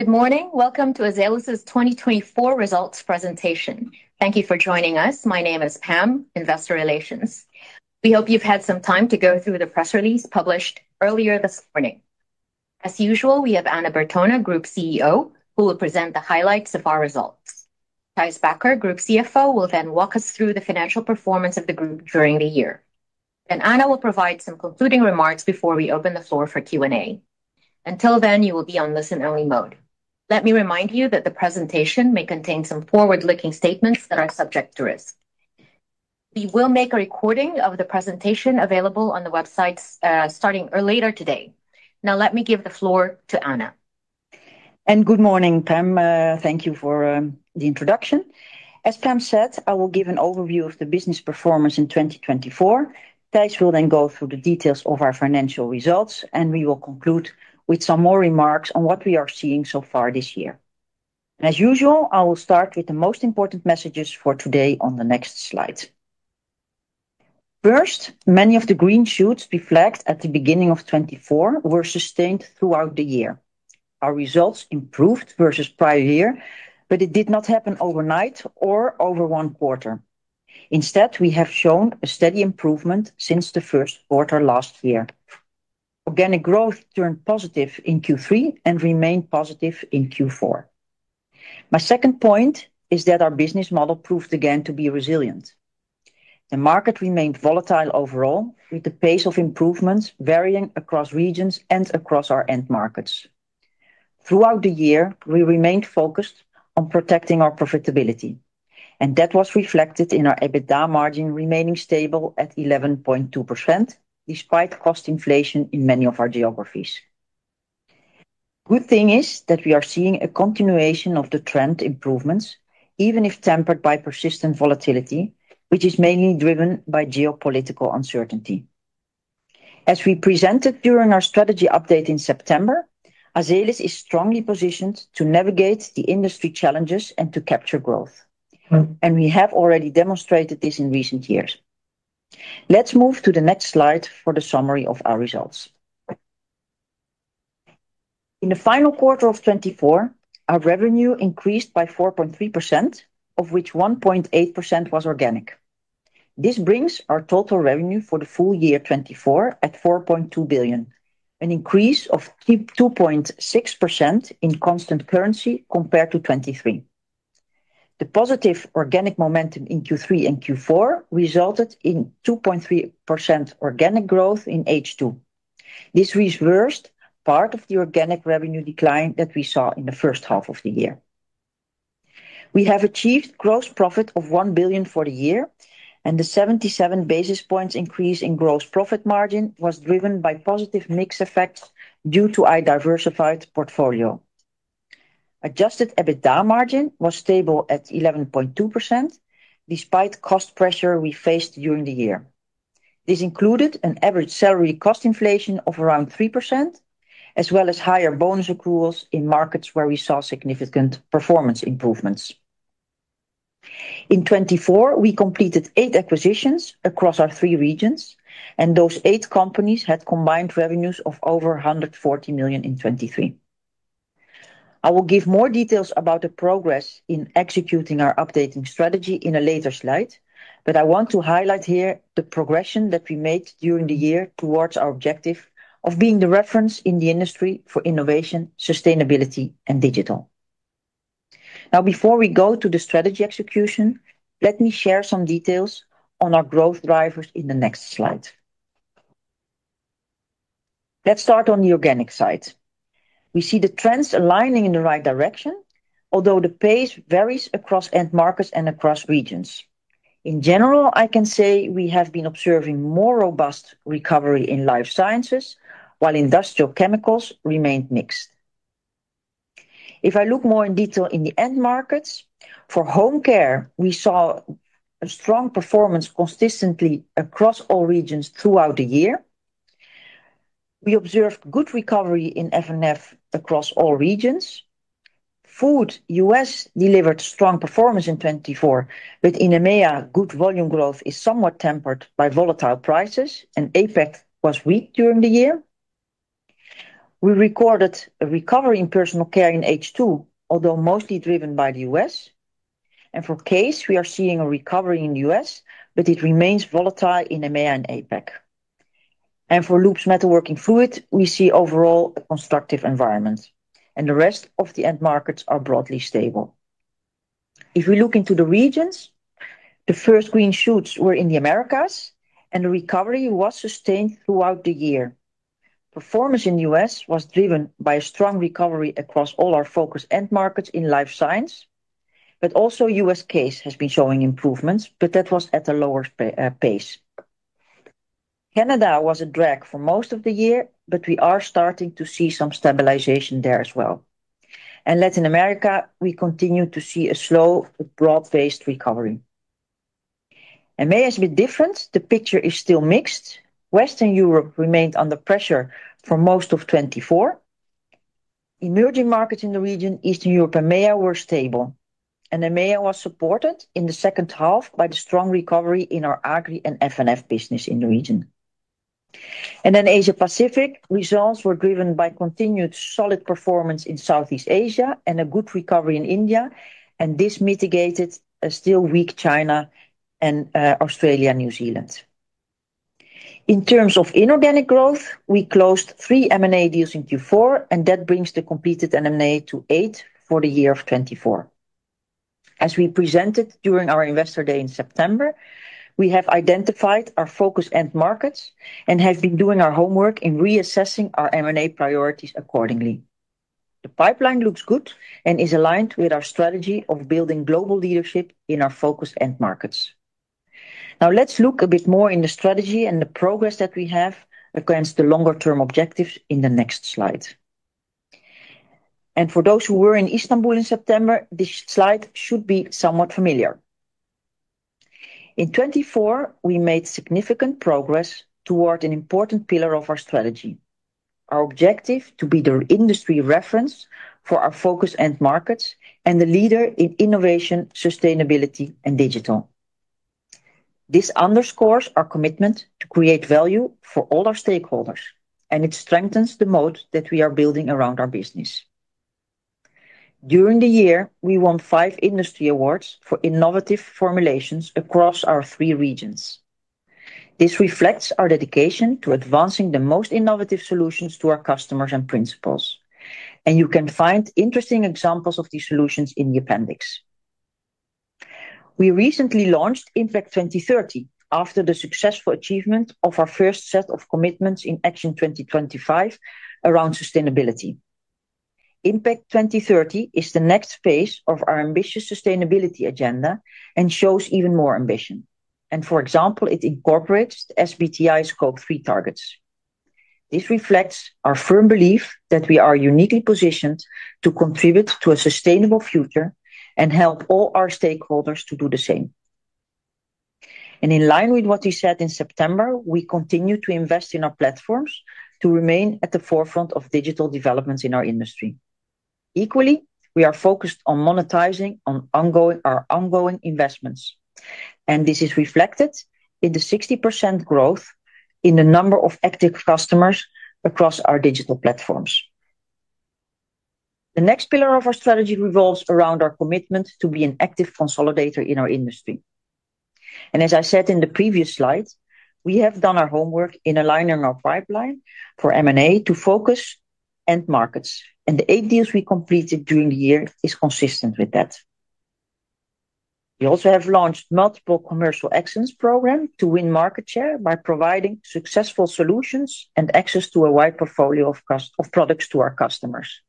Good morning. Welcome to Azelis's 2024 Results Presentation. Thank you for joining us. My name is Pam, Investor Relations. We hope you've had some time to go through the press release published earlier this morning. As usual, we have Anna Bertona, Group CEO, who will present the highlights of our results. Thijs Bakker, Group CFO, will then walk us through the financial performance of the group during the year. Then Anna will provide some concluding remarks before we open the floor for Q&A. Until then, you will be on listen-only mode. Let me remind you that the presentation may contain some forward-looking statements that are subject to risk. We will make a recording of the presentation available on the website starting later today. Now, let me give the floor to Anna. Good morning, Pam. Thank you for the introduction. As Pam said, I will give an overview of the business performance in 2024. Thijs will then go through the details of our financial results, and we will conclude with some more remarks on what we are seeing so far this year. As usual, I will start with the most important messages for today on the next slides. First, many of the green shoots we flagged at the beginning of 2024 were sustained throughout the year. Our results improved versus prior year, but it did not happen overnight or over one quarter. Instead, we have shown a steady improvement since the first quarter last year. Organic growth turned positive in Q3 and remained positive in Q4. My second point is that our business model proved again to be resilient. The market remained volatile overall, with the pace of improvements varying across regions and across our end markets. Throughout the year, we remained focused on protecting our profitability, and that was reflected in our EBITDA margin remaining stable at 11.2% despite cost inflation in many of our geographies. The good thing is that we are seeing a continuation of the trend improvements, even if tempered by persistent volatility, which is mainly driven by geopolitical uncertainty. As we presented during our strategy update in September, Azelis is strongly positioned to navigate the industry challenges and to capture growth, and we have already demonstrated this in recent years. Let's move to the next slide for the summary of our results. In the final quarter of 2024, our revenue increased by 4.3%, of which 1.8% was organic. This brings our total revenue for the full year 2024 at 4.2 billion, an increase of 2.6% in constant currency compared to 2023. The positive organic momentum in Q3 and Q4 resulted in 2.3% organic growth in H2. This reversed part of the organic revenue decline that we saw in the first half of the year. We have achieved gross profit of 1 billion for the year, and the 77 basis points increase in gross profit margin was driven by positive mix effects due to our diversified portfolio. Adjusted EBITDA margin was stable at 11.2% despite cost pressure we faced during the year. This included an average salary cost inflation of around 3%, as well as higher bonus accruals in markets where we saw significant performance improvements. In 2024, we completed eight acquisitions across our three regions, and those eight companies had combined revenues of over 140 million in 2023. I will give more details about the progress in executing our updated strategy in a later slide, but I want to highlight here the progress that we made during the year towards our objective of being the reference in the industry for innovation, sustainability, and digital. Now, before we go to the strategy execution, let me share some details on our growth drivers in the next slide. Let's start on the organic side. We see the trends aligning in the right direction, although the pace varies across end markets and across regions. In general, I can say we have been observing more robust recovery in Life Sciences, while Industrial Chemicals remained mixed. If I look more in detail in the end markets, for Home Care, we saw a strong performance consistently across all regions throughout the year. We observed good recovery in F&F across all regions. Food U.S., delivered strong performance in 2024, but in EMEA, good volume growth is somewhat tempered by volatile prices, and APAC was weak during the year. We recorded a recovery in Personal Care in H2, although mostly driven by the U.S. And for CASE, we are seeing a recovery in the U.S., but it remains volatile in EMEA and APAC. And for Lubes, metalworking fluids, we see overall a constructive environment, and the rest of the end markets are broadly stable. If we look into the regions, the first green shoots were in the Americas, and the recovery was sustained throughout the year. Performance in the U.S. was driven by a strong recovery across all our focus end markets in Life Science, but also U.S. CASE has been showing improvements, but that was at a lower pace. Canada was a drag for most of the year, but we are starting to see some stabilization there as well, and Latin America, we continue to see a slow, broad-based recovery. EMEA has been different. The picture is still mixed. Western Europe remained under pressure for most of 2024. Emerging markets in the region, Eastern Europe and EMEA, were stable, and EMEA was supported in the second half by the strong recovery in our Agri and F&F business in the region, and then Asia-Pacific, results were driven by continued solid performance in Southeast Asia and a good recovery in India, and this mitigated a still weak China and Australia, New Zealand. In terms of inorganic growth, we closed three M&A deals in Q4, and that brings the completed M&A to eight for the year of 2024. As we presented during our Investor Day in September, we have identified our focus end markets and have been doing our homework in reassessing our M&A priorities accordingly. The pipeline looks good and is aligned with our strategy of building global leadership in our focus end markets. Now, let's look a bit more in the strategy and the progress that we have against the longer-term objectives in the next slide. And for those who were in Istanbul in September, this slide should be somewhat familiar. In 2024, we made significant progress toward an important pillar of our strategy, our objective to be the industry reference for our focus end markets and the leader in innovation, sustainability, and digital. This underscores our commitment to create value for all our stakeholders, and it strengthens the moat that we are building around our business. During the year, we won five industry awards for innovative formulations across our three regions. This reflects our dedication to advancing the most innovative solutions to our customers and principals, and you can find interesting examples of these solutions in the appendix. We recently launched Impact 2030 after the successful achievement of our first set of commitments in Action 2025 around sustainability. Impact 2030 is the next phase of our ambitious sustainability agenda and shows even more ambition, and for example, it incorporates SBTi Scope 3 targets. This reflects our firm belief that we are uniquely positioned to contribute to a sustainable future and help all our stakeholders to do the same, and in line with what we said in September, we continue to invest in our platforms to remain at the forefront of digital developments in our industry. Equally, we are focused on monetizing our ongoing investments, and this is reflected in the 60% growth in the number of active customers across our digital platforms. The next pillar of our strategy revolves around our commitment to be an active consolidator in our industry. And as I said in the previous slide, we have done our homework in aligning our pipeline for M&A to focus end markets, and the eight deals we completed during the year are consistent with that. We also have launched multiple commercial excellence programs to win market share by providing successful solutions and access to a wide portfolio of products to our customers.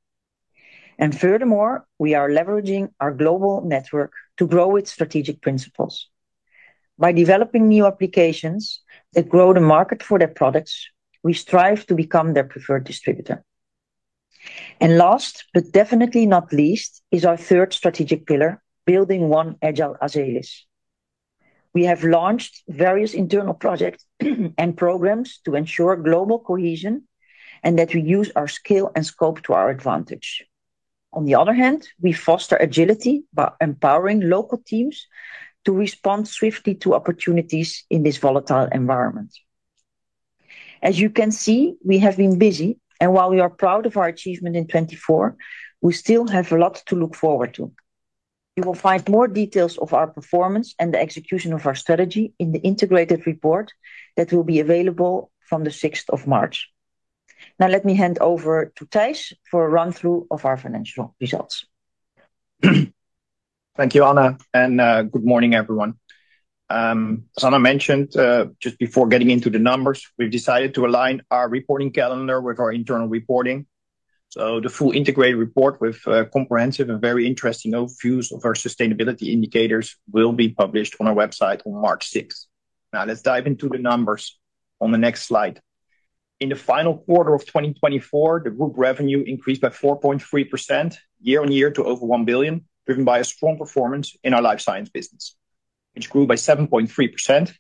And furthermore, we are leveraging our global network to grow its strategic principles. By developing new applications that grow the market for their products, we strive to become their preferred distributor. Last, but definitely not least, is our third strategic pillar, Building One Agile Azelis. We have launched various internal projects and programs to ensure global cohesion and that we use our skill and scope to our advantage. On the other hand, we foster agility by empowering local teams to respond swiftly to opportunities in this volatile environment. As you can see, we have been busy, and while we are proud of our achievement in 2024, we still have a lot to look forward to. You will find more details of our performance and the execution of our strategy in the integrated report that will be available from the 6th of March. Now, let me hand over to Thijs for a run-through of our financial results. Thank you, Anna, and good morning, everyone. As Anna mentioned just before getting into the numbers, we've decided to align our reporting calendar with our internal reporting. So the full integrated report with comprehensive and very interesting views of our sustainability indicators will be published on our website on March 6th. Now, let's dive into the numbers on the next slide. In the final quarter of 2024, the group revenue increased by 4.3% year-on-year to over 1 billion, driven by a strong performance in our Life Science business, which grew by 7.3%,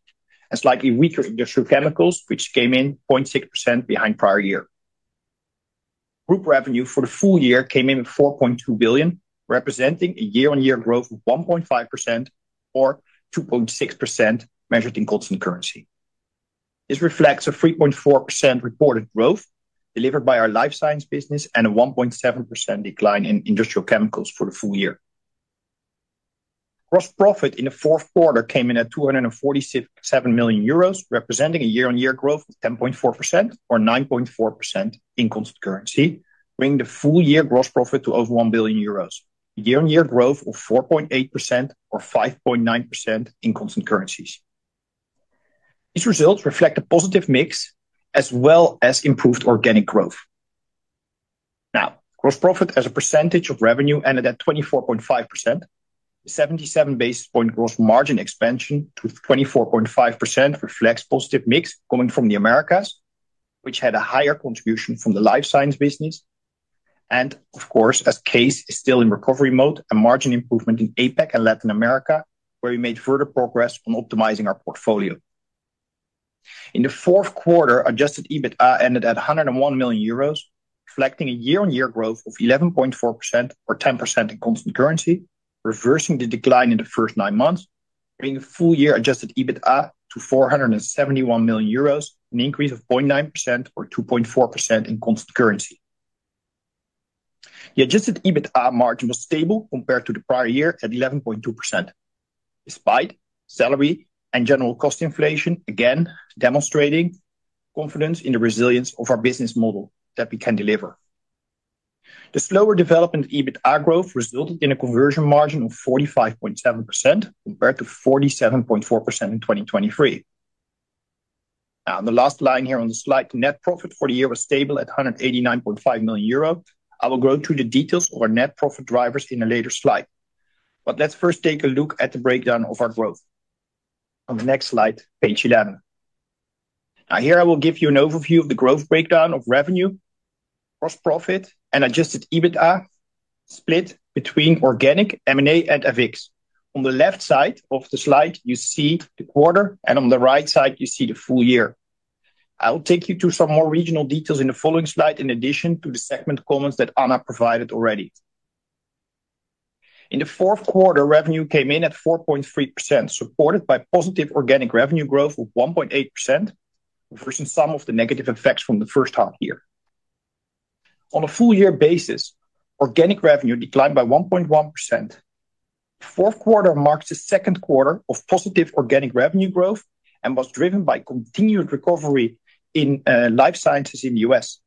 and slightly weaker Industrial Chemicals, which came in 0.6% behind prior year. Group revenue for the full year came in at 4.2 billion, representing a year-on-year growth of 1.5% or 2.6% measured in constant currency. This reflects a 3.4% reported growth delivered by our Life Science business and a 1.7% decline in Industrial Chemicals for the full year. Gross profit in the fourth quarter came in at 247 million euros, representing a year-on-year growth of 10.4% or 9.4% in constant currency, bringing the full year gross profit to over 1 billion euros, year-on-year growth of 4.8% or 5.9% in constant currencies. These results reflect a positive mix as well as improved organic growth. Now, gross profit as a percentage of revenue ended at 24.5%. The 77 basis points gross margin expansion to 24.5% reflects a positive mix coming from the Americas, which had a higher contribution from the Life Science business, and of course, as CASE is still in recovery mode, a margin improvement in APAC and Latin America, where we made further progress on optimizing our portfolio. In the fourth quarter, adjusted EBITDA ended at 101 million euros, reflecting a year-on-year growth of 11.4% or 10% in constant currency, reversing the decline in the first nine months, bringing the full year adjusted EBITDA to 471 million euros, an increase of 0.9% or 2.4% in constant currency. The adjusted EBITDA margin was stable compared to the prior year at 11.2%, despite salary and general cost inflation, again demonstrating confidence in the resilience of our business model that we can deliver. The slower development of EBITDA growth resulted in a conversion margin of 45.7% compared to 47.4% in 2023. Now, on the last line here on the slide, the net profit for the year was stable at 189.5 million euro. I will go through the details of our net profit drivers in a later slide, but let's first take a look at the breakdown of our growth on the next slide, page 11. Now, here I will give you an overview of the growth breakdown of revenue, gross profit, and adjusted EBITDA split between organic, M&A, and FX. On the left side of the slide, you see the quarter, and on the right side, you see the full year. I'll take you to some more regional details in the following slide, in addition to the segment comments that Anna provided already. In the fourth quarter, revenue came in at 4.3%, supported by positive organic revenue growth of 1.8%, reversing some of the negative effects from the first half year. On a full-year basis, organic revenue declined by 1.1%. The fourth quarter marks the second quarter of positive organic revenue growth and was driven by continued recovery in Life Science in the U.S.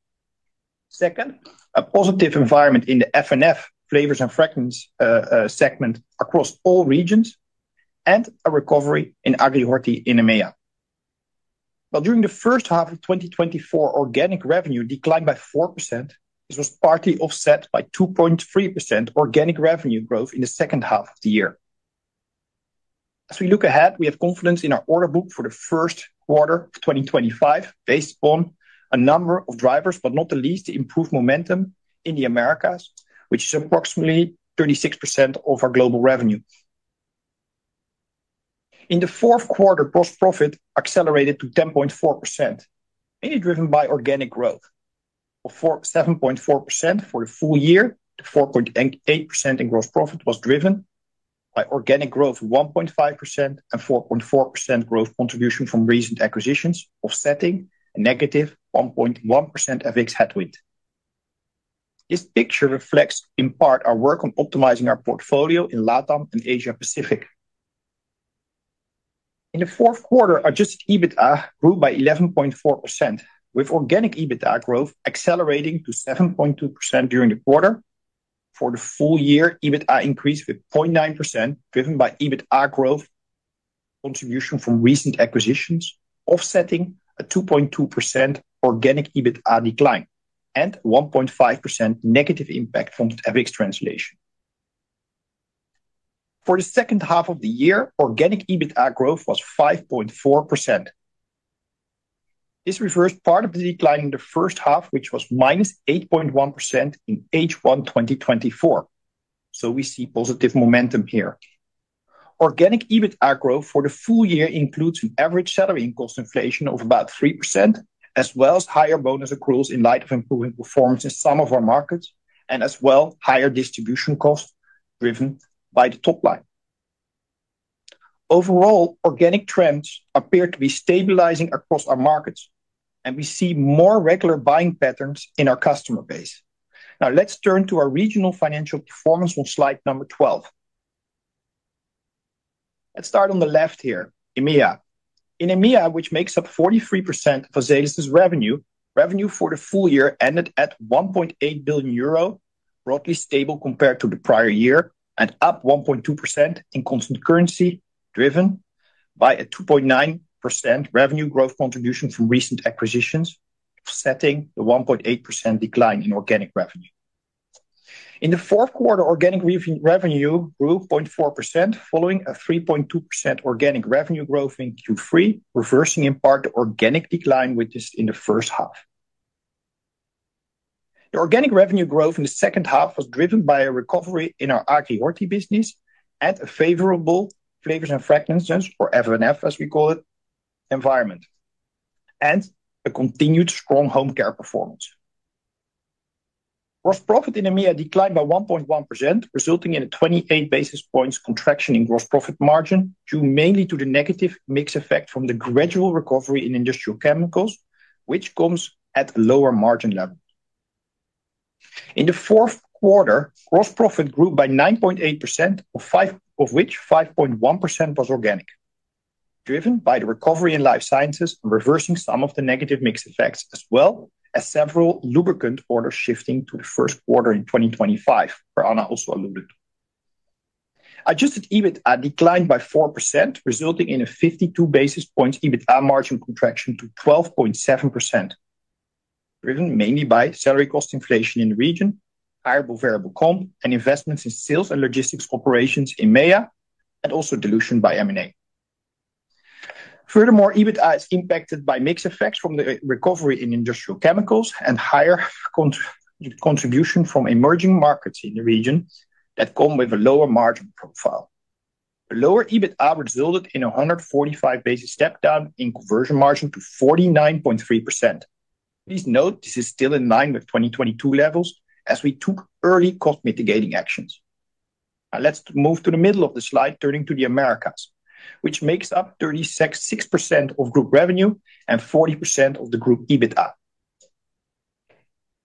Second, a positive environment in the F&F Flavors and Fragrance segment across all regions and a recovery in Agri-horticultural in EMEA. While during the first half of 2024, organic revenue declined by 4%, this was partly offset by 2.3% organic revenue growth in the second half of the year. As we look ahead, we have confidence in our order book for the first quarter of 2025 based upon a number of drivers, but not the least, the improved momentum in the Americas, which is approximately 36% of our global revenue. In the fourth quarter, gross profit accelerated to 10.4%, mainly driven by organic growth of 7.4% for the full year. The 4.8% in gross profit was driven by organic growth of 1.5% and 4.4% growth contribution from recent acquisitions, offsetting a negative 1.1% FX headwind. This picture reflects in part our work on optimizing our portfolio in LATAM and Asia-Pacific. In the fourth quarter, adjusted EBITDA grew by 11.4%, with organic EBITDA growth accelerating to 7.2% during the quarter. For the full year, EBITDA increased with 0.9%, driven by EBITDA growth contribution from recent acquisitions, offsetting a 2.2% organic EBITDA decline and 1.5% negative impact from the FX translation. For the second half of the year, organic EBITDA growth was 5.4%. This reversed part of the decline in the first half, which was -8.1% in H1 2024, so we see positive momentum here. Organic EBITDA growth for the full year includes an average salary and cost inflation of about 3%, as well as higher bonus accruals in light of improving performance in some of our markets and as well higher distribution costs driven by the top line. Overall, organic trends appear to be stabilizing across our markets, and we see more regular buying patterns in our customer base. Now, let's turn to our regional financial performance on slide number 12. Let's start on the left here, EMEA. In EMEA, which makes up 43% of Azelis's revenue, revenue for the full year ended at 1.8 billion euro, broadly stable compared to the prior year and up 1.2% in constant currency, driven by a 2.9% revenue growth contribution from recent acquisitions, offsetting the 1.8% decline in organic revenue. In the fourth quarter, organic revenue grew 0.4%, following a 3.2% organic revenue growth in Q3, reversing in part the organic decline witnessed in the first half. The organic revenue growth in the second half was driven by a recovery in our Agri-horticultural business and a favorable Flavors and Fragrances, or F&F, as we call it, environment and a continued strong home care performance. Gross profit in EMEA declined by 1.1%, resulting in a 28 basis points contraction in gross profit margin, due mainly to the negative mix effect from the gradual recovery in industrial chemicals, which comes at a lower margin level. In the fourth quarter, gross profit grew by 9.8%, of which 5.1% was organic, driven by the recovery in life sciences and reversing some of the negative mix effects, as well as several lubricant orders shifting to the first quarter in 2025, where Anna also alluded. Adjusted EBITDA declined by 4%, resulting in a 52 basis points EBITDA margin contraction to 12.7%, driven mainly by salary cost inflation in the region, higher variable comp, and investments in sales and logistics operations in EMEA, and also dilution by M&A. Furthermore, EBITDA is impacted by mix effects from the recovery in industrial chemicals and higher contribution from emerging markets in the region that come with a lower margin profile. The lower EBITDA resulted in a 145 basis points step down in conversion margin to 49.3%. Please note this is still in line with 2022 levels as we took early cost mitigating actions. Now, let's move to the middle of the slide, turning to the Americas, which makes up 36% of group revenue and 40% of the group EBITDA.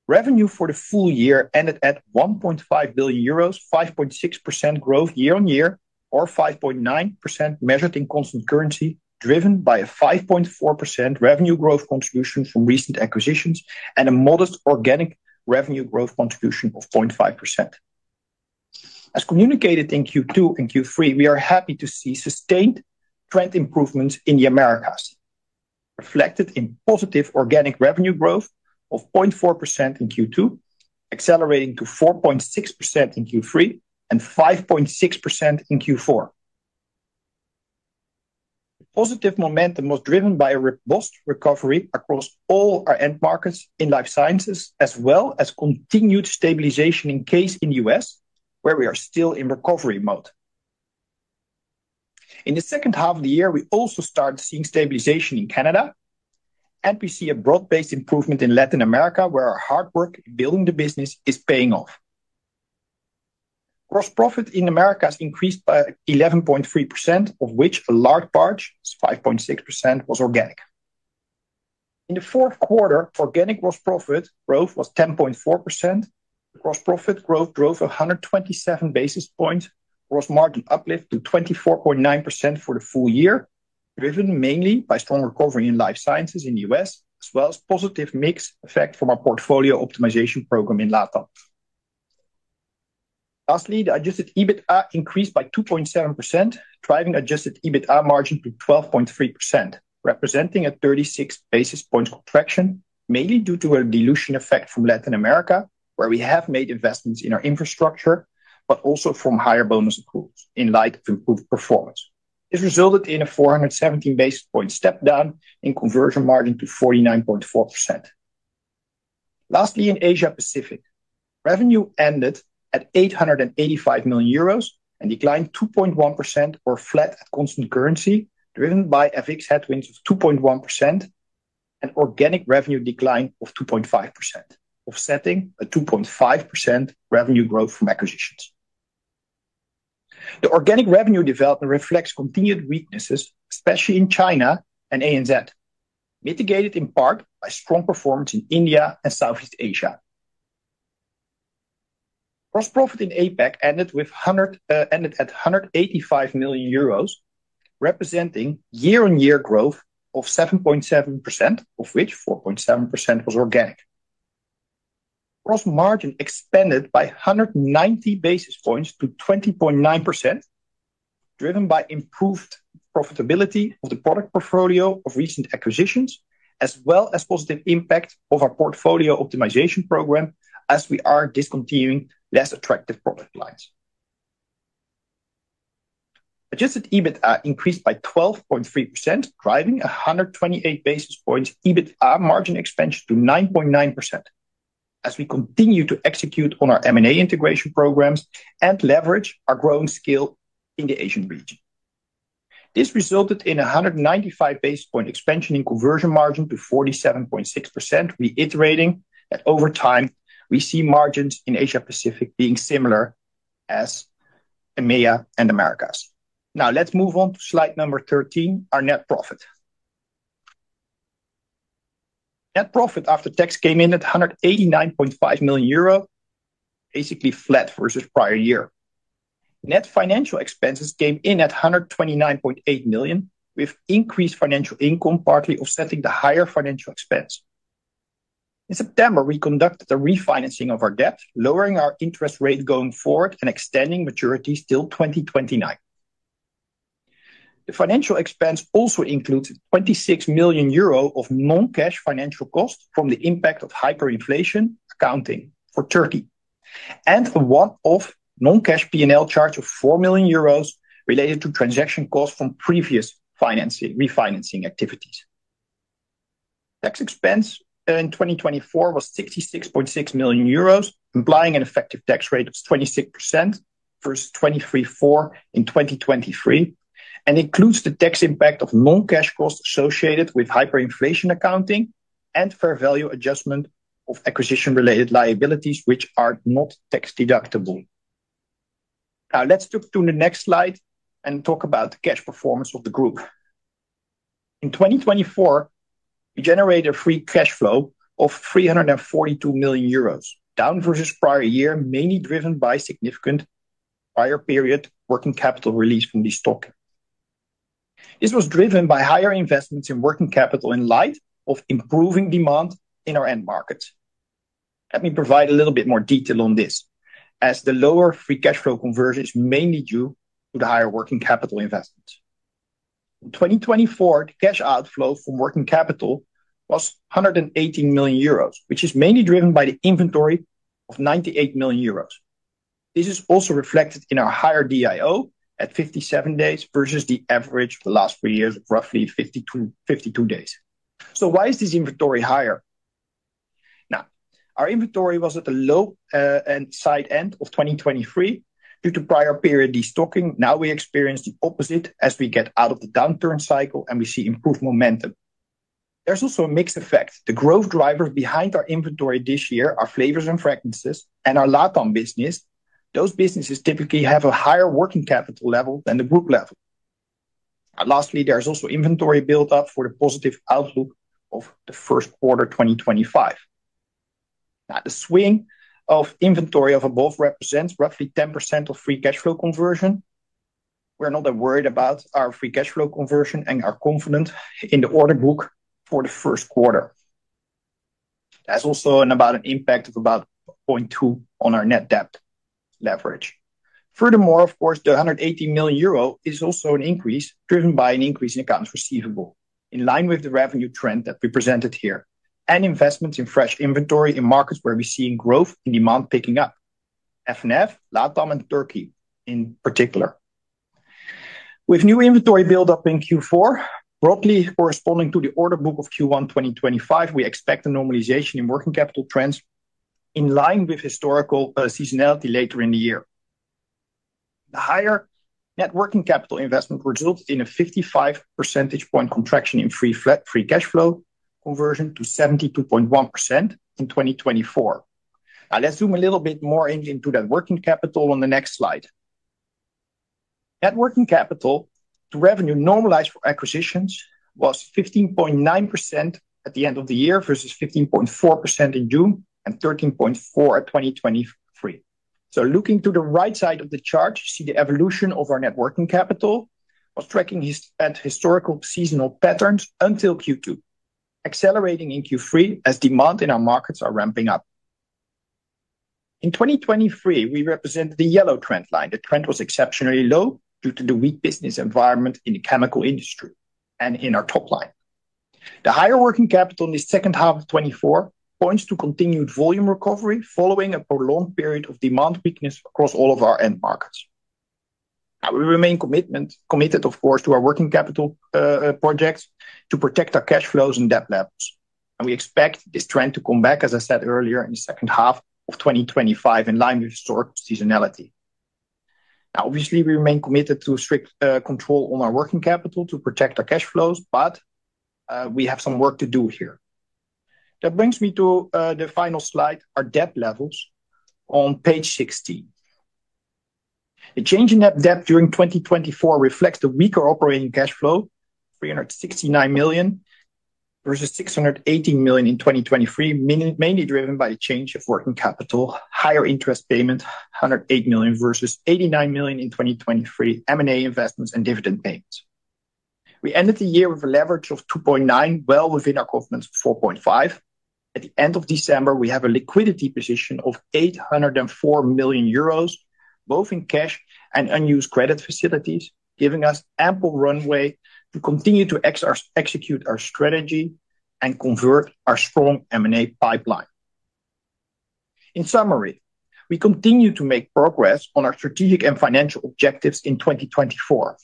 Revenue for the full year ended at 1.5 billion euros, 5.6% growth year-on-year or 5.9% measured in constant currency, driven by a 5.4% revenue growth contribution from recent acquisitions and a modest organic revenue growth contribution of 0.5%. As communicated in Q2 and Q3, we are happy to see sustained trend improvements in the Americas, reflected in positive organic revenue growth of 0.4% in Q2, accelerating to 4.6% in Q3 and 5.6% in Q4. Positive momentum was driven by a robust recovery across all our end markets in life sciences, as well as continued stabilization in CASE in the U.S., where we are still in recovery mode. In the second half of the year, we also started seeing stabilization in Canada, and we see a broad-based improvement in Latin America, where our hard work in building the business is paying off. Gross profit in Americas has increased by 11.3%, of which a large part, 5.6%, was organic. In the fourth quarter, organic gross profit growth was 10.4%. Gross profit growth drove 127 basis points. Gross margin uplift to 24.9% for the full year, driven mainly by strong recovery in life sciences in the US, as well as positive mix effect from our portfolio optimization program in LATAM. Lastly, the adjusted EBITDA increased by 2.7%, driving adjusted EBITDA margin to 12.3%, representing a 36 basis points contraction, mainly due to a dilution effect from Latin America, where we have made investments in our infrastructure, but also from higher bonus accruals in light of improved performance. This resulted in a 417 basis points step down in conversion margin to 49.4%. Lastly, in Asia-Pacific, revenue ended at 885 million euros and declined 2.1% or flat at constant currency, driven by FX headwinds of 2.1% and organic revenue decline of 2.5%, offsetting a 2.5% revenue growth from acquisitions. The organic revenue development reflects continued weaknesses, especially in China and ANZ, mitigated in part by strong performance in India and Southeast Asia. Gross profit in APAC ended at 185 million euros, representing year-on-year growth of 7.7%, of which 4.7% was organic. Gross margin expanded by 190 basis points to 20.9%, driven by improved profitability of the product portfolio of recent acquisitions, as well as positive impact of our portfolio optimization program as we are discontinuing less attractive product lines. Adjusted EBITDA increased by 12.3%, driving a 128 basis points EBITDA margin expansion to 9.9% as we continue to execute on our M&A integration programs and leverage our growing skill in the Asian region. This resulted in a 195 basis point expansion in conversion margin to 47.6%, reiterating that over time we see margins in Asia-Pacific being similar as EMEA and Americas. Now, let's move on to slide number 13, our net profit. Net profit after tax came in at 189.5 million euro, basically flat versus prior year. Net financial expenses came in at 129.8 million, with increased financial income partly offsetting the higher financial expense. In September, we conducted a refinancing of our debt, lowering our interest rate going forward and extending maturities till 2029. The financial expense also includes 26 million euro of non-cash financial costs from the impact of hyperinflation accounting for Turkey and one non-cash P&L charge of 4 million euros related to transaction costs from previous refinancing activities. Tax expense in 2024 was 66.6 million euros, implying an effective tax rate of 26% versus 23.4% in 2023, and includes the tax impact of non-cash costs associated with hyperinflation accounting and fair value adjustment of acquisition-related liabilities, which are not tax deductible. Now, let's look to the next slide and talk about the cash performance of the group. In 2024, we generated a free cash flow of 342 million euros, down versus prior year, mainly driven by significant prior period working capital release from the stock. This was driven by higher investments in working capital in light of improving demand in our end markets. Let me provide a little bit more detail on this, as the lower free cash flow conversion is mainly due to the higher working capital investments. In 2024, the cash outflow from working capital was 118 million euros, which is mainly driven by the inventory of 98 million euros. This is also reflected in our higher DIO at 57 days versus the average of the last few years, roughly 52 days. So why is this inventory higher? Now, our inventory was at the low and side end of 2023 due to prior period destocking. Now we experience the opposite as we get out of the downturn cycle and we see improved momentum. There's also a mixed effect. The growth drivers behind our inventory this year are flavors and fragrances and our LATAM business. Those businesses typically have a higher working capital level than the group level. Lastly, there's also inventory build-up for the positive outlook of the first quarter 2025. Now, the swing of inventory of above represents roughly 10% of free cash flow conversion. We're not that worried about our free cash flow conversion and our confidence in the order book for the first quarter. There's also about an impact of about 0.2 on our net debt leverage. Furthermore, of course, the 180 million euro is also an increase driven by an increase in accounts receivable in line with the revenue trend that we presented here and investments in fresh inventory in markets where we're seeing growth in demand picking up, F&F, LATAM, and Turkey in particular. With new inventory build-up in Q4, broadly corresponding to the order book of Q1 2025, we expect a normalization in working capital trends in line with historical seasonality later in the year. The higher net working capital investment resulted in a 55 percentage point contraction in free cash flow conversion to 72.1% in 2024. Now, let's zoom a little bit more into that working capital on the next slide. Net working capital to revenue normalized for acquisitions was 15.9% at the end of the year versus 15.4% in June and 13.4% at 2023, so looking to the right side of the chart, you see the evolution of our net working capital was tracking its historical seasonal patterns until Q2 accelerating in Q3 as demand in our markets is ramping up. In 2023, we represented the yellow trend line. The trend was exceptionally low due to the weak business environment in the chemical industry and in our top line. The higher working capital in the second half of 2024 points to continued volume recovery following a prolonged period of demand weakness across all of our end markets. We remain committed, of course, to our working capital projects to protect our cash flows and debt levels. We expect this trend to come back, as I said earlier, in the second half of 2025 in line with historical seasonality. Now, obviously, we remain committed to strict control on our working capital to protect our cash flows, but we have some work to do here. That brings me to the final slide, our debt levels on page 16. The change in net debt during 2024 reflects the weaker operating cash flow, 369 million versus 618 million in 2023, mainly driven by the change of working capital, higher interest payment, 108 million versus 89 million in 2023, M&A investments, and dividend payments. We ended the year with a leverage of 2.9, well within our confidence of 4.5. At the end of December, we have a liquidity position of 804 million euros, both in cash and unused credit facilities, giving us ample runway to continue to execute our strategy and convert our strong M&A pipeline. In summary, we continue to make progress on our strategic and financial objectives in 2024.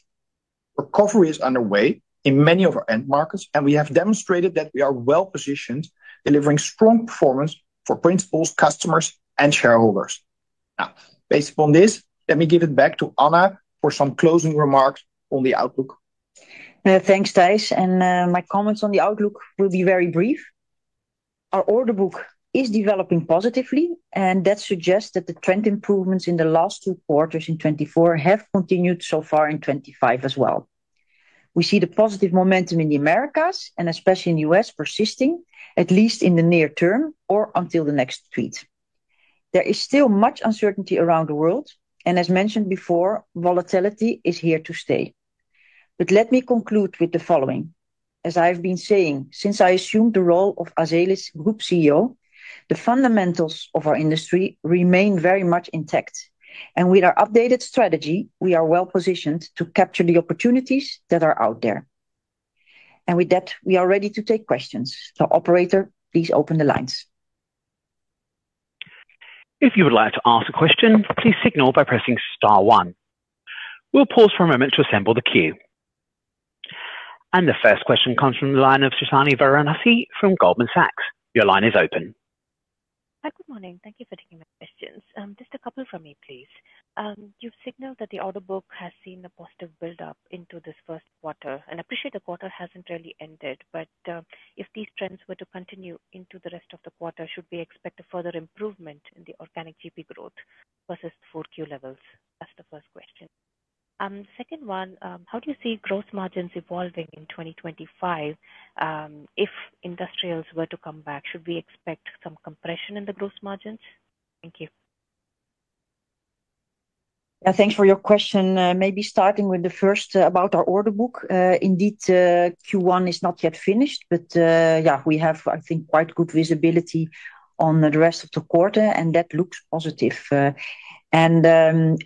Recovery is underway in many of our end markets, and we have demonstrated that we are well positioned, delivering strong performance for principals, customers, and shareholders. Now, based upon this, let me give it back to Anna for some closing remarks on the outlook. Thanks, Thijs. And my comments on the outlook will be very brief. Our order book is developing positively, and that suggests that the trend improvements in the last two quarters in 2024 have continued so far in 2025 as well. We see the positive momentum in the Americas and especially in the U.S. persisting, at least in the near term or until the next tweet. There is still much uncertainty around the world, and as mentioned before, volatility is here to stay. But let me conclude with the following. As I've been saying, since I assumed the role of Azelis Group CEO, the fundamentals of our industry remain very much intact. And with our updated strategy, we are well positioned to capture the opportunities that are out there. And with that, we are ready to take questions. So, operator, please open the lines. If you would like to ask a question, please signal by pressing star one. We'll pause for a moment to assemble the queue. And the first question comes from the line of Suhasini Varanasi from Goldman Sachs. Your line is open. Hi, good morning. Thank you for taking my questions. Just a couple from me, please. You've signaled that the order book has seen a positive build-up into this first quarter, and I appreciate the quarter hasn't really ended, but if these trends were to continue into the rest of the quarter, should we expect a further improvement in the organic GP growth versus Q4 levels? That's the first question. Second one, how do you see gross margins evolving in 2025? If industrials were to come back, should we expect some compression in the gross margins? Thank you. Yeah, thanks for your question. Maybe starting with the first about our order book. Indeed, Q1 is not yet finished, but yeah, we have, I think, quite good visibility on the rest of the quarter, and that looks positive. And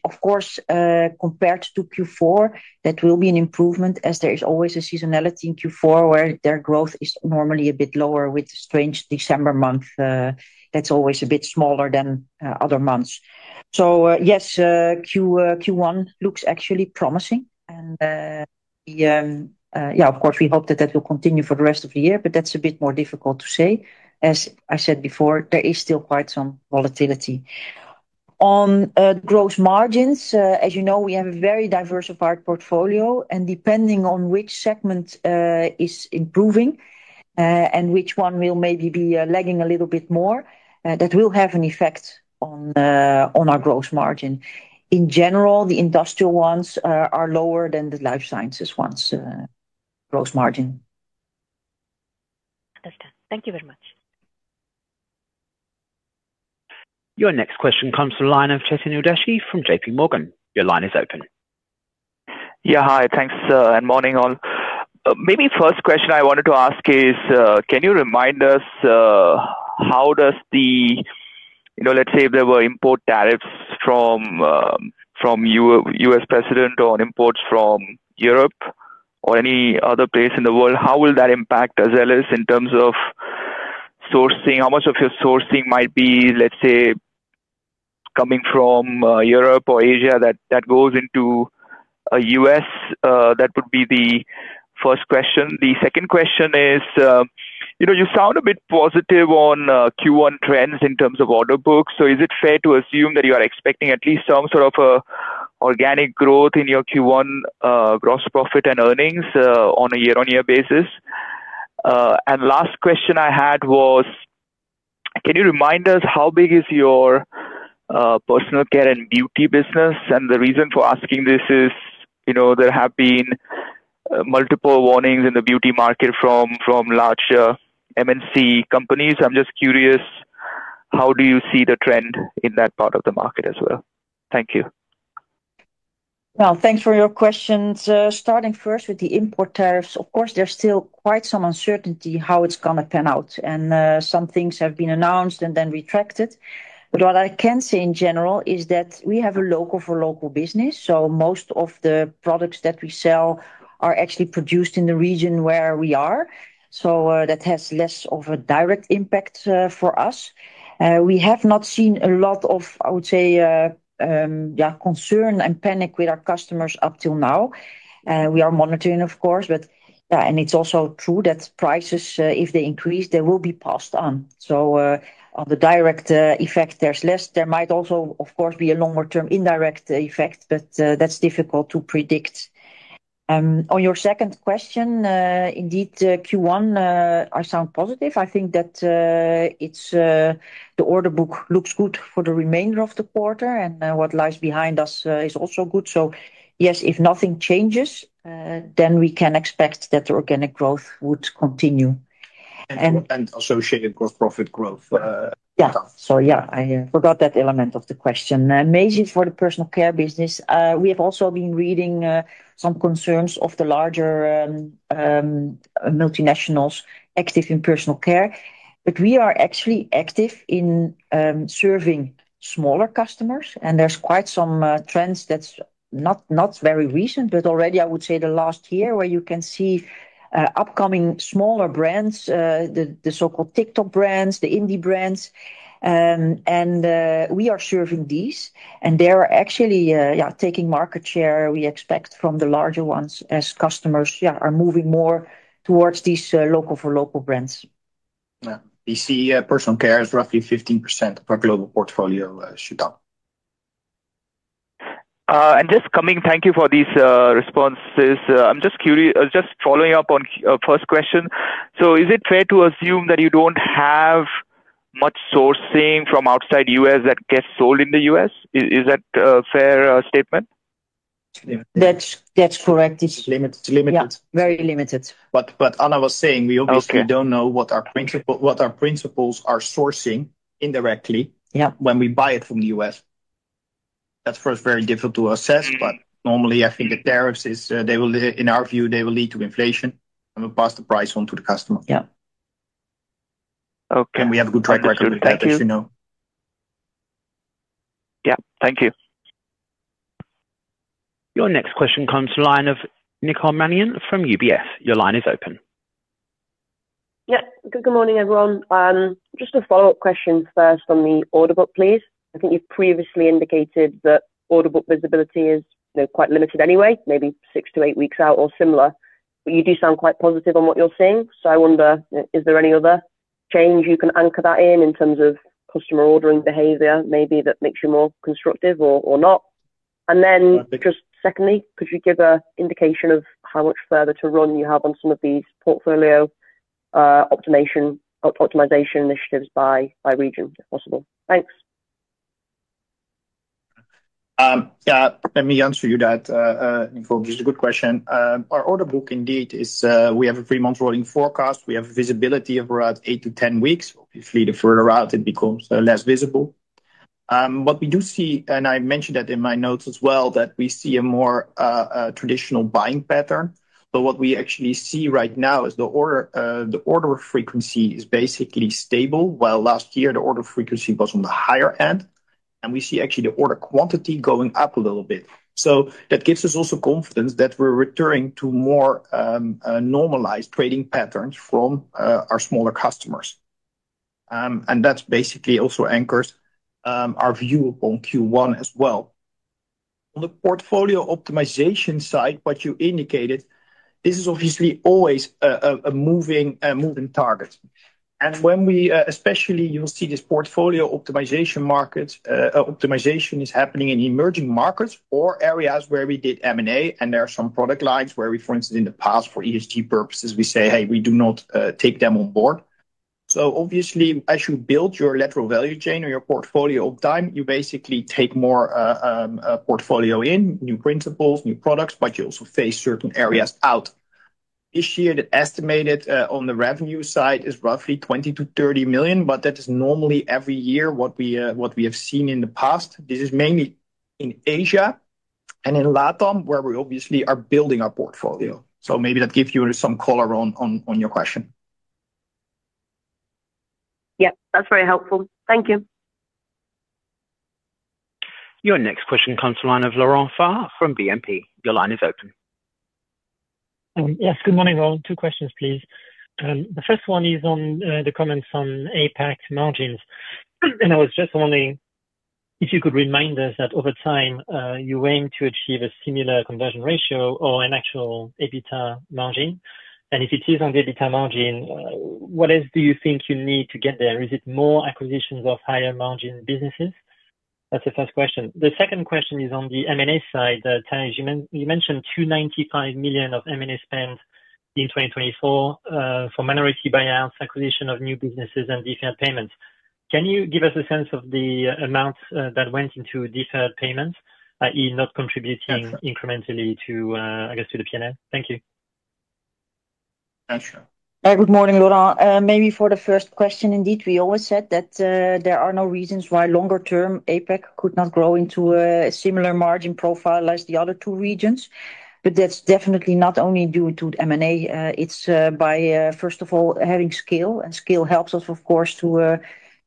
of course, compared to Q4, that will be an improvement as there is always a seasonality in Q4 where their growth is normally a bit lower with strange December month. That's always a bit smaller than other months. So yes, Q1 looks actually promising. And yeah, of course, we hope that that will continue for the rest of the year, but that's a bit more difficult to say. As I said before, there is still quite some volatility. On gross margins, as you know, we have a very diversified portfolio, and depending on which segment is improving and which one will maybe be lagging a bit more, that will have an effect on our gross margin. In general, the industrial ones are lower than the life sciences ones' gross margin. Understood. Thank you very much. Your next question comes from the line of Chetan Udeshi from JP Morgan. Your line is open. Yeah, hi, thanks and morning all. Maybe first question I wanted to ask is, can you remind us how does the, let's say, if there were import tariffs from U.S. President on imports from Europe or any other place in the world, how will that impact Azelis in terms of sourcing? How much of your sourcing might be, let's say, coming from Europe or Asia that goes into U.S.? That would be the first question. The second question is, you sound a bit positive on Q1 trends in terms of order books. So is it fair to assume that you are expecting at least some sort of organic growth in your Q1 gross profit and earnings on a year-on-year basis? And last question I had was, can you remind us how big is your personal care and beauty business? The reason for asking this is there have been multiple warnings in the beauty market from large MNC companies. I'm just curious, how do you see the trend in that part of the market as well? Thank you. Well, thanks for your questions. Starting first with the import tariffs, of course, there's still quite some uncertainty how it's going to pan out. And some things have been announced and then retracted. But what I can say in general is that we have a local-for-local business. So most of the products that we sell are actually produced in the region where we are. So that has less of a direct impact for us. We have not seen a lot of, I would say, concern and panic with our customers up till now. We are monitoring, of course, but yeah, and it's also true that prices, if they increase, they will be passed on. So on the direct effect, there's less. There might also, of course, be a longer-term indirect effect, but that's difficult to predict. On your second question, indeed, Q1, I sound positive. I think that the order book looks good for the remainder of the quarter, and what lies behind us is also good. So yes, if nothing changes, then we can expect that the organic growth would continue. And associated gross profit growth. Yeah, so yeah, I forgot that element of the question. Amazing for the personal care business. We have also been reading some concerns of the larger multinationals active in personal care. But we are actually active in serving smaller customers, and there's quite some trends that's not very recent, but already, I would say the last year where you can see upcoming smaller brands, the so called TikTok brands, the indie brands. And we are serving these, and they are actually taking market share we expect from the larger ones as customers are moving more towards these local for local brands. Yeah, we see personal care is roughly 15% of our global portfolio, Chetan. And just coming, thank you for these responses. I'm just following up on the first question. So is it fair to assume that you don't have much sourcing from outside the U.S. that gets sold in the U.S.? Is that a fair statement? That's correct. It's limited. Very limited. But Anna was saying we obviously don't know what our principals are sourcing indirectly when we buy it from the U.S. That's, first, very difficult to assess, but normally, I think the tariffs, in our view, they will lead to inflation and will pass the price on to the customer. Yeah. Okay, and we have a good track record with that, as you know. Yeah, thank you. Your next question comes from the line of Nicole Manion from UBS. Your line is open. Yeah, good morning, everyone. Just a follow-up question first on the order book, please. I think you've previously indicated that order book visibility is quite limited anyway, maybe six to eight weeks out or similar, but you do sound quite positive on what you're seeing, so I wonder, is there any other change you can anchor that in terms of customer ordering behavior, maybe that makes you more constructive or not? And then just secondly, could you give an indication of how much further to run you have on some of these portfolio optimization initiatives by region, if possible? Thanks. Yeah, let me answer you that. It's a good question. Our order book, indeed, we have a three month rolling forecast. We have visibility of around eight to 10 weeks. Obviously, the further out, it becomes less visible. What we do see, and I mentioned that in my notes as well, that we see a more traditional buying pattern. But what we actually see right now is the order frequency is basically stable, while last year the order frequency was on the higher end. And we see actually the order quantity going up a little bit. So that gives us also confidence that we're returning to more normalized trading patterns from our smaller customers. And that basically also anchors our view upon Q1 as well. On the portfolio optimization side, what you indicated, this is obviously always a moving target, and when we especially you'll see this portfolio optimization market optimization is happening in emerging markets or areas where we did M&A and there are some product lines where we, for instance, in the past, for ESG purposes, we say, "Hey, we do not take them on board," so obviously, as you build your Lateral Value Chain or your portfolio over time you basically take more portfolio in, new principles, new products, but you also phase certain areas out. This year, the estimated on the revenue side is roughly 20-30 million, but that is normally every year what we have seen in the past. This is mainly in Asia and in LATAM where we obviously are building our portfolio. So maybe that gives you some color on your question. Yep, that's very helpful. Thank you. Your next question from Laurent Favre from BNP. Your line is open. Yes, good morning all. Two questions, please. The first one is on the comments on APAC margins. And I was just wondering if you could remind us that over time, you aim to achieve a similar conversion margin or an actual EBITDA margin. And if it is on the EBITDA margin, what else do you think you need to get there? Is it more acquisitions of higher margin businesses? That's the first question. The second question is on the M&A side. You mentioned 295 million of M&A spend in 2024 for minority buyouts, acquisition of new businesses, and deferred payments. Can you give us a sense of the amount that went into deferred payments, i.e., not contributing incrementally to, I guess, to the P&L? Thank you. Yeah, good morning, Laurent. Maybe for the first question, indeed, we always said that there are no reasons why longer term APAC could not grow into a similar margin profile as the other two regions. But that's definitely not only due to M&A. It's by, first of all, having scale, and scale helps us, of course, to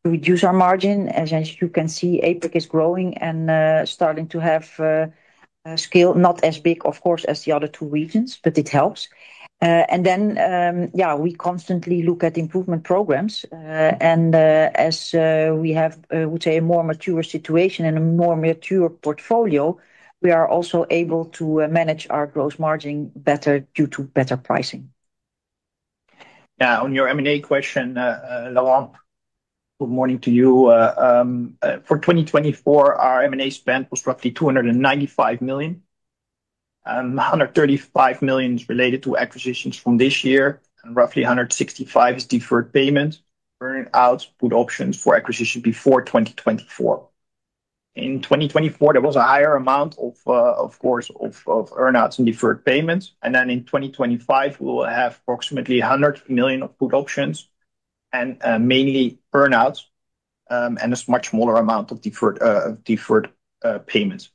reduce our margin. As you can see, APAC is growing and starting to have scale, not as big, of course, as the other two regions, but it helps. And then, yeah, we constantly look at improvement programs. And as we have, I would say, a more mature situation and a more mature portfolio, we are also able to manage our gross margin better due to better pricing. Yeah, on your M&A question, Laurent, good morning to you. For 2024, our M&A spend was roughly 295 million. 135 million is related to acquisitions from this year, and roughly 165 million is deferred payments, earn-outs, put options for acquisitions before 2024. In 2024, there was a higher amount of, of course, of earn-outs and deferred payments. And then in 2025, we will have approximately 100 million of put options and mainly earn-outs and a much smaller amount of deferred payments.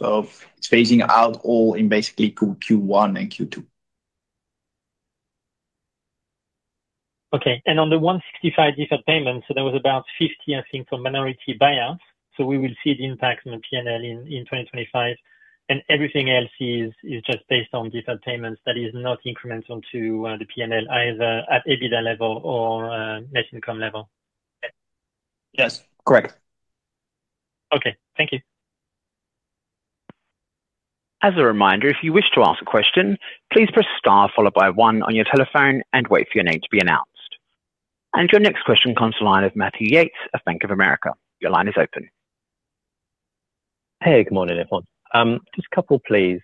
So it's phasing out all in basically Q1 and Q2. Okay, and on the 165 million deferred payments, so there was about 50 million, I think, for minority buyouts. So we will see the impact on the P&L in 2025. And everything else is just based on deferred payments that is not incremental to the P&L either at EBITDA level or net income level. Yes, correct. Okay, thank you. As a reminder, if you wish to ask a question, please press star followed by one on your telephone and wait for your name to be announced, and your next question comes from the line of Matthew Yates of Bank of America. Your line is open. Hey, good morning, everyone. Just a couple, please.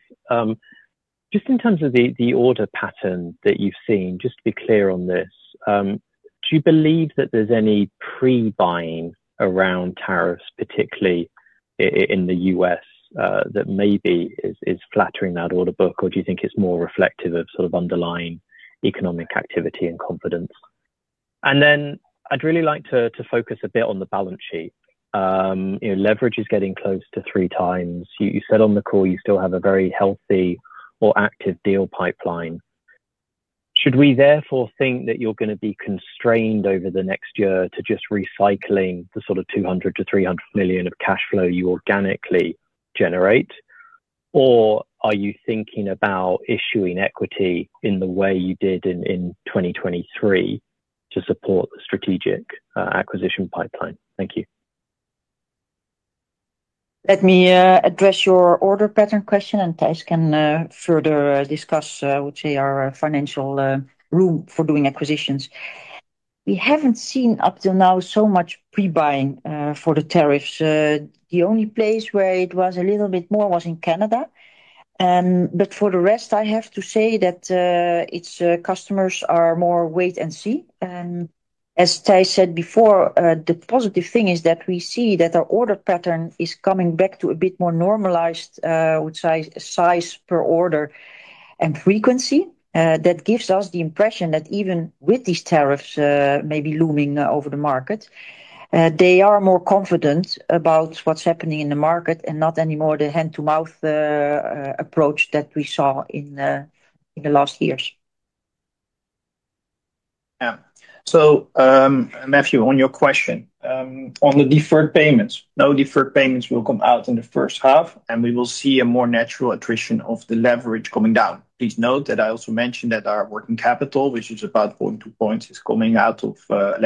Just in terms of the order pattern that you've seen, just to be clear on this, do you believe that there's any pre-buying around tariffs, particularly in the U.S., that maybe is flattering that order book, or do you think it's more reflective of sort of underlying economic activity and confidence, and then I'd really like to focus a bit on the balance sheet. Leverage is getting close to three times. You said on the call you still have a very healthy or active deal pipeline. Should we therefore think that you're going to be constrained over the next year to just recycling the sort of 200 million-300 million of cash flow you organically generate, or are you thinking about issuing equity in the way you did in 2023 to support the strategic acquisition pipeline? Thank you. Let me address your order pattern question, and Thijs can further discuss, I would say, our financial room for doing acquisitions. We haven't seen up till now so much pre-buying for the tariffs. The only place where it was a little bit more was in Canada. But for the rest, I have to say that its customers are more wait and see, and as Thijs said before, the positive thing is that we see that our order pattern is coming back to a bit more normalized I would say, size per order and frequency. That gives us the impression that even with these tariffs maybe looming over the market, they are more confident about what's happening in the market and not anymore the hand-to-mouth approach that we saw in the last years. Yeah, so Matthew, on your question, on the deferred payments, no deferred payments will come out in the first half, and we will see a more natural attrition of the leverage coming down. Please note that I also mentioned that our working capital, which is about 0.2 points, is coming out of the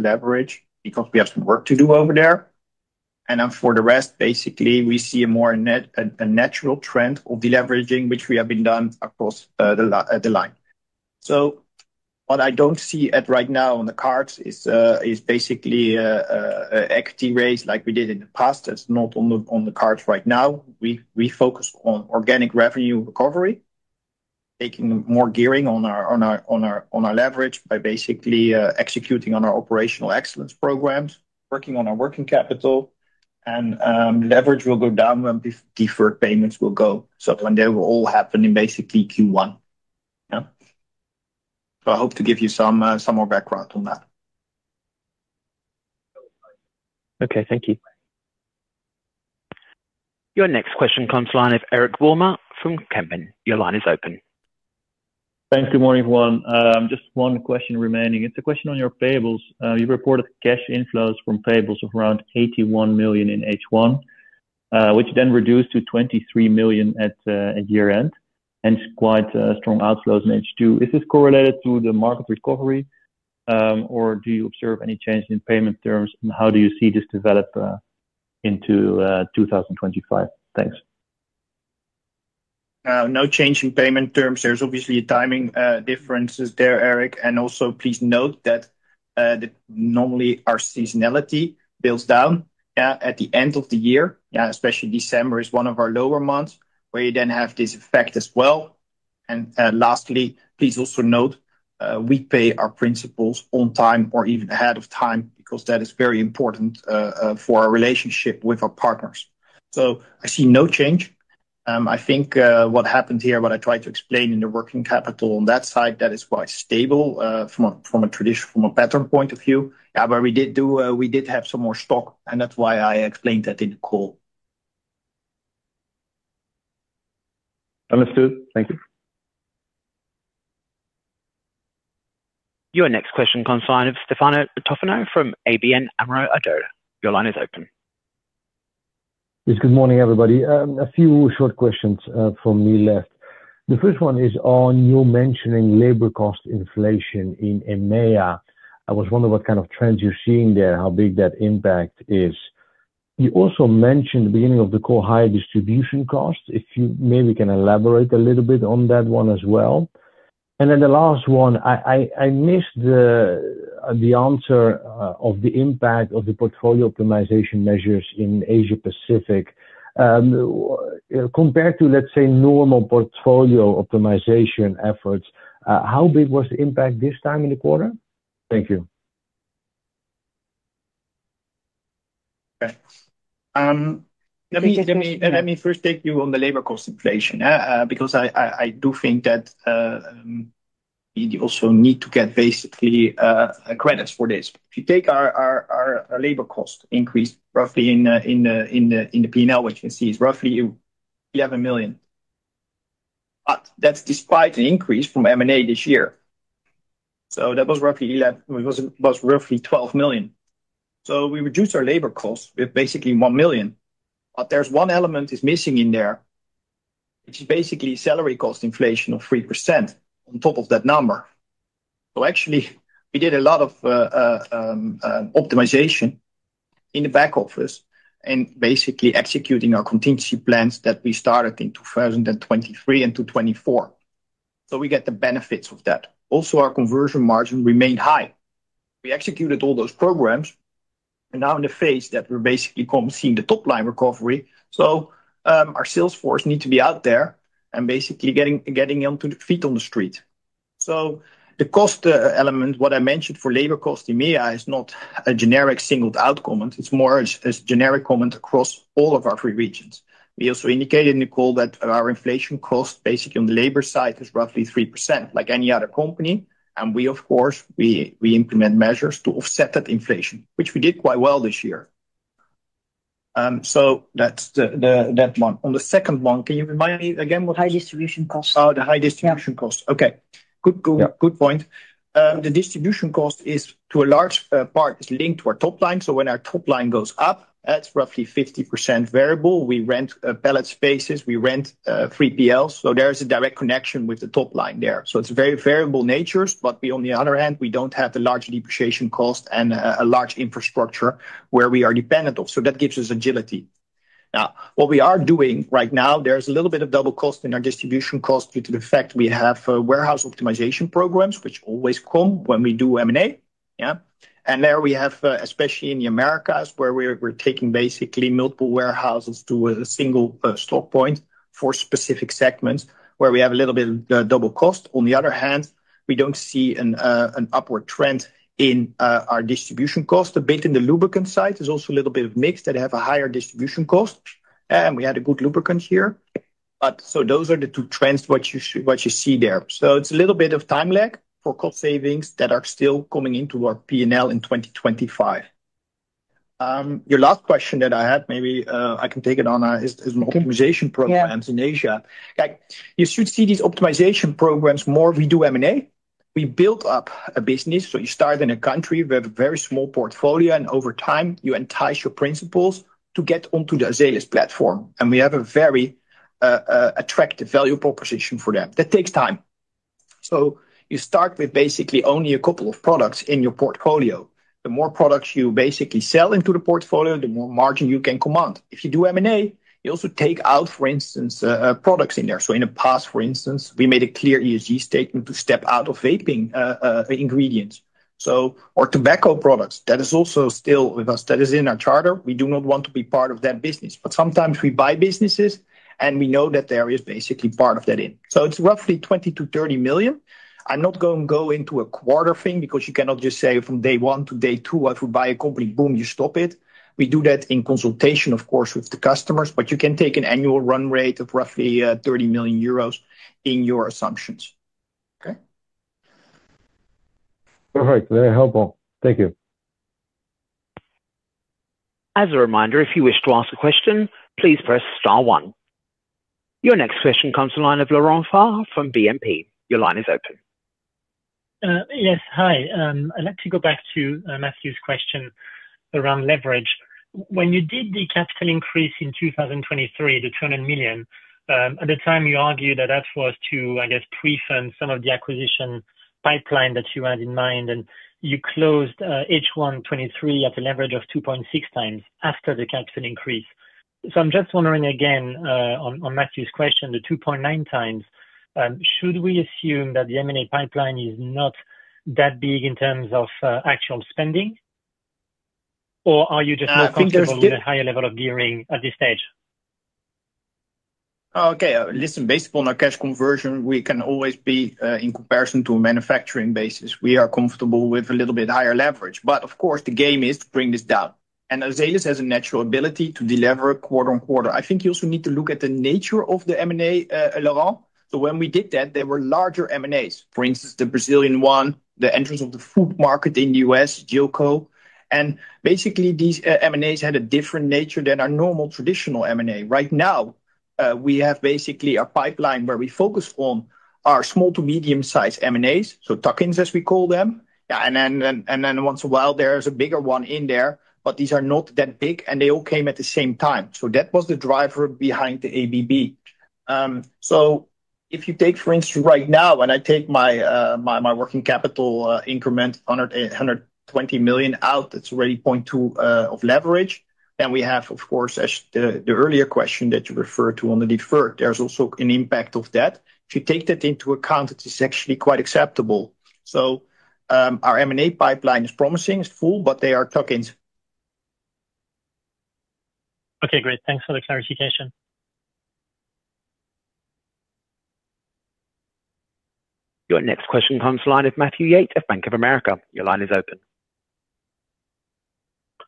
leverage because we have some work to do over there, and for the rest, basically, we see a more natural trend of deleveraging, which we have been done across the line, so what I don't see right now on the cards is basically an equity raise like we did in the past. That's not on the cards right now. We focus on organic revenue recovery, taking more gearing on our leverage by basically executing on our operational excellence programs, working on our working capital. And leverage will go down when deferred payments will go. So when they will all happen in basically Q1. Yeah. So I hope to give you some more background on that. Okay, thank you. Your next question comes live from Eric Wilmer from Kempen. Your line is open. Thanks. Good morning, everyone. Just one question remaining. It's a question on your payables. You've reported cash inflows from payables of around 81 million in H1, which then reduced to 23 million at year-end, and quite strong outflows in H2. Is this correlated to the market recovery, or do you observe any change in payment terms, and how do you see this develop into 2025? Thanks. No change in payment terms. There's obviously a timing difference there, Eric. And also, please note that normally our seasonality builds down at the end of the year. Yeah, especially December is one of our lower months where you then have this effect as well. And lastly, please also note we pay our principals on time or even ahead of time because that is very important for our relationship with our partners. So I see no change. I think what happened here, what I tried to explain in the working capital on that side, that is quite stable from a traditional, from a pattern point of view. Yeah, but we did have some more stock, and that's why I explained that in the call. Understood. Thank you. Your next question comes from Stefano Toffano from ABN AMRO-ODDO. Your line is open. Yes, good morning, everybody. A few short questions from me left. The first one is on your mentioning labor cost inflation in EMEA. I was wondering what kind of trends you're seeing there, how big that impact is. You also mentioned at the beginning of the call, higher distribution costs. If you maybe can elaborate a little bit on that one as well. And then the last one, I missed the answer of the impact of the portfolio optimization measures in Asia-Pacific. Compared to, let's say, normal portfolio optimization efforts, how big was the impact this time in the quarter? Thank you. Okay. Let me first take you on the labor cost inflation because I do think that we also need to get basically credits for this. If you take our labor cost increase roughly in the P&L, what you can see is roughly 11 million. But that's despite an increase from M&A this year. So that was roughly 11, it was roughly 12 million. So we reduced our labor costs with basically 1 million. But there's one element that's missing in there, which is basically salary cost inflation of 3% on top of that number. So actually, we did a lot of optimization in the back office and basically executing our contingency plans that we started in 2023 and 2024. So we get the benefits of that. Also, our conversion margin remained high. We executed all those programs. And now in the phase that we're basically seeing the top-line recovery. So our sales force needs to be out there and basically getting feet on the street. So the cost element, what I mentioned for labor cost in EMEA is not a generic single outcome. It's more a generic comment across all of our three regions. We also indicated in the call that our inflation cost basically on the labor side is roughly 3%, like any other company. And we, of course, we implement measures to offset that inflation, which we did quite well this year. So that's that one. On the second one, can you remind me again what? High distribution cost. Oh, the high distribution cost. Okay. Good point. The distribution cost is, to a large part, linked to our top line. So when our top line goes up, it's roughly 50% variable. We rent pallet spaces. We rent 3PLs. So there is a direct connection with the top line there. So it's very variable natures, but on the other hand, we don't have a large depreciation cost and a large infrastructure where we are dependent on. So that gives us agility. Now, what we are doing right now, there's a little bit of double cost in our distribution cost due to the fact we have warehouse optimization programs, which always come when we do M&A. Yeah. And there we have, especially in the Americas, where we're taking basically multiple warehouses to a single stock point for specific segments where we have a little bit of double cost. On the other hand, we don't see an upward trend in our distribution cost. A bit in the lubricant side is also a little bit of mix that have a higher distribution cost. And we had a good lubricant here. But so those are the two trends what you see there. So it's a little bit of time lag for cost savings that are still coming into our P&L in 2025. Your last question that I had, maybe I can take it on, is on optimization programs in Asia. You should see these optimization programs more if we do M&A. We build up a business. So you start in a country with a very small portfolio, and over time, you entice your principals to get onto the Azelis platform. And we have a very attractive value proposition for them. That takes time. So you start with basically only a couple of products in your portfolio. The more products you basically sell into the portfolio, the more margin you can command. If you do M&A, you also take out, for instance, products in there. So in the past, for instance, we made a clear ESG statement to step out of vaping ingredients. So or tobacco products, that is also still with us. That is in our charter. We do not want to be part of that business. But sometimes we buy businesses, and we know that there is basically part of that in. So it's roughly 20 million-30 million. I'm not going to go into a quarter thing because you cannot just say from day one to day two, if we buy a company, boom, you stop it. We do that in consultation, of course, with the customers. But you can take an annual run rate of roughly 30 million euros in your assumptions. Okay. Perfect. Very helpful. Thank you. As a reminder, if you wish to ask a question, please press star one. Your next question comes from the line of Laurent Favre from BNP. Your line is open. Yes. Hi. I'd like to go back to Matthew's question around leverage. When you did the capital increase in 2023, the 200 million, at the time, you argued that that was to, I guess, pre-fund some of the acquisition pipeline that you had in mind. And you closed H1 2023 at a leverage of 2.6 times after the capital increase. So I'm just wondering again on Matthew's question, the 2.9 times, should we assume that the M&A pipeline is not that big in terms of actual spending, or are you just more comfortable with a higher level of gearing at this stage? Okay. Listen, based upon our cash conversion, we can always be in comparison to a manufacturing basis. We are comfortable with a little bit higher leverage. But of course, the game is to bring this down. And Azelis has a natural ability to deliver quarter on quarter. I think you also need to look at the nature of the M&A, Laurent. So when we did that, there were larger M&As, for instance, the Brazilian one, the entrance of the food market in the U.S., Gillco. And basically, these M&As had a different nature than our normal traditional M&A. Right now, we have basically a pipeline where we focus on our small to medium-sized M&As, so tuck-ins, as we call them. Yeah. And then once in a while, there is a bigger one in there, but these are not that big, and they all came at the same time. So that was the driver behind the uptick. So if you take, for instance, right now, when I take my working capital increment, 120 million out, that's already 0.2 of leverage. And we have, of course, as the earlier question that you referred to on the deferred, there's also an impact of that. If you take that into account, it is actually quite acceptable. So our M&A pipeline is promising, it's full, but they are tuck-ins. Okay. Great. Thanks for the clarification. Your next question comes live with Matthew Yates of Bank of America. Your line is open.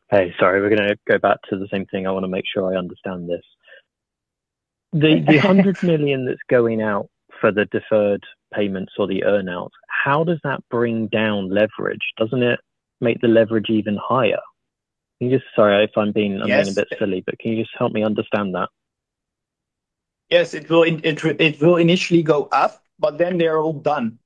Hey, sorry. We're going to go back to the same thing. I want to make sure I understand this. The 100 million that's going out for the deferred payments or the earnouts, how does that bring down leverage? Doesn't it make the leverage even higher? Sorry if I'm being a bit silly, but can you just help me understand that? Yes. It will initially go up, but then they're all done.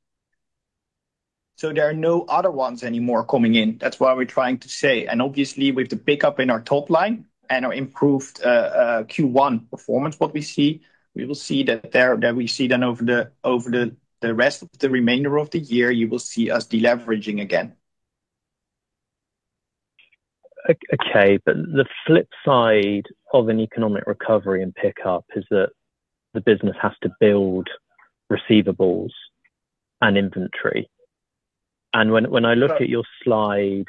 So there are no other ones anymore coming in. That's why we're trying to say. And obviously, with the pickup in our top line and our improved Q1 performance, what we see, we will see that we see then over the rest of the remainder of the year, you will see us deleveraging again. Okay. But the flip side of an economic recovery and pickup is that the business has to build receivables and inventory. And when I look at your slide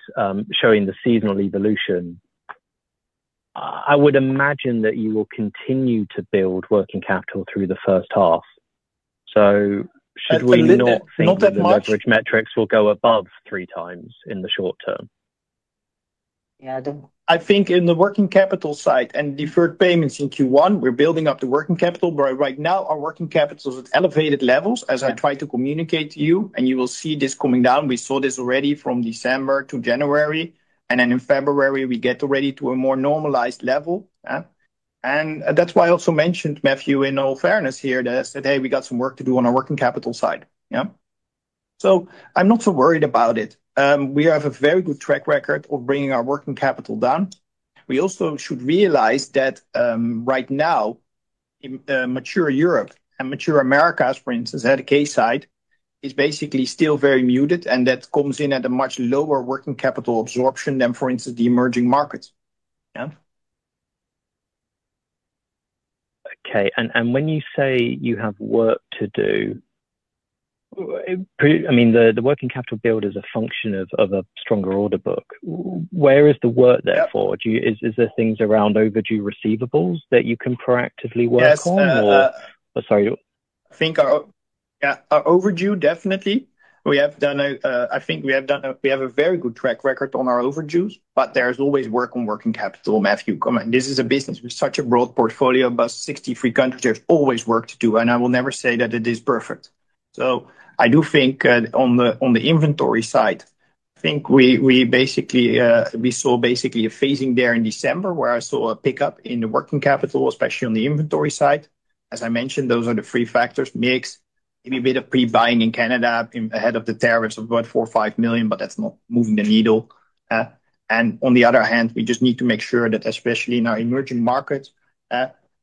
showing the seasonal evolution, I would imagine that you will continue to build working capital through the first half. So should we not think that the leverage metrics will go above three times in the short term? Yeah. I think in the working capital side and deferred payments in Q1, we're building up the working capital. But right now, our working capital is at elevated levels, as I tried to communicate to you, and you will see this coming down. We saw this already from December to January. And then in February, we get already to a more normalized level. And that's why I also mentioned Matthew in all fairness here that I said, "Hey, we got some work to do on our working capital side." Yeah. So I'm not so worried about it. We have a very good track record of bringing our working capital down. We also should realize that right now, mature Europe and mature Americas, for instance, at a CASE side, is basically still very muted, and that comes in at a much lower working capital absorption than, for instance, the emerging markets. Yeah. Okay. When you say you have work to do, I mean, the working capital build is a function of a stronger order book. Where is the work there for? Is there things around overdue receivables that you can proactively work on, or? Sorry. I think our overdues, definitely. I think we have done a very good track record on our overdues, but there's always work on working capital, Matthew. This is a business with such a broad portfolio in about 63 countries. There's always work to do, and I will never say that it is perfect. So I do think on the inventory side, I think we saw basically a phasing there in December where I saw a pickup in the working capital, especially on the inventory side. As I mentioned, those are the three factors: mix, maybe a bit of pre-buying in Canada ahead of the tariffs of about 4 million or 5 million, but that's not moving the needle, and on the other hand, we just need to make sure that, especially in our emerging markets,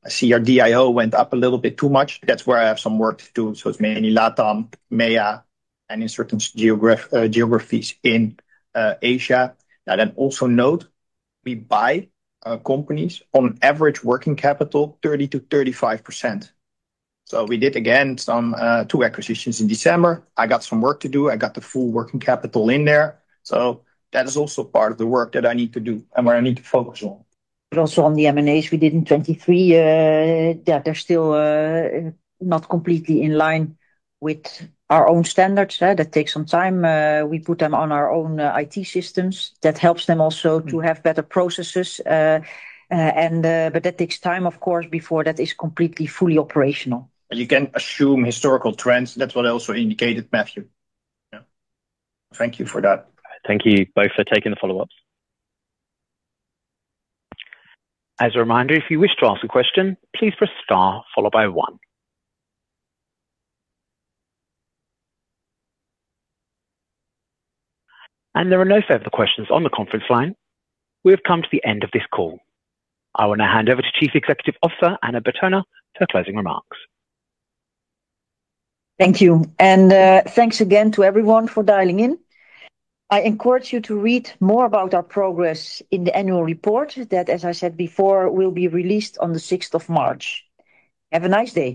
I see our DIO went up a little bit too much. That's where I have some work to do, so it's mainly LATAM, EMEA, and in certain geographies in Asia. Now, then also note, we buy companies on average working capital, 30% to 35%. So we did, again, some two acquisitions in December. I got some work to do. I got the full working capital in there. So that is also part of the work that I need to do and what I need to focus on. But also on the M&As we did in 2023, they're still not completely in line with our own standards. That takes some time. We put them on our own IT systems. That helps them also to have better processes. But that takes time, of course, before that is completely fully operational. You can assume historical trends. That's what I also indicated, Matthew. Yeah. Thank you for that. Thank you both for taking the follow-ups. As a reminder, if you wish to ask a question, please press star followed by one. And there are no further questions on the conference line. We have come to the end of this call. I want to hand over to Chief Executive Officer Anna Bertona for closing remarks. Thank you. And thanks again to everyone for dialing in. I encourage you to read more about our progress in the annual report that, as I said before, will be released on the 6th of March. Have a nice day.